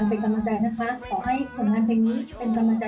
เราจะได้ไปทัวร์คอนเสิร์ตอยากให้มีคอนเสิร์ตเยอะ